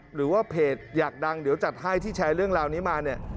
หรือว่าเพจอยากดังเดี๋ยวจัดให้ที่แชร์เรื่องราวนี้มาเนี่ย